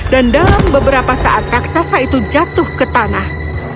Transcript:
dan dalam beberapa saat raksasa itu jatuh ke tanah